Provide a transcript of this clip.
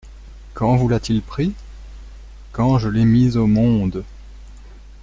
«Quand vous l'a-t-il pris ? Quand je l'ai mis au monde.